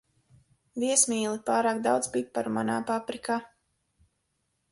Viesmīli, pārāk daudz piparu manā paprikā.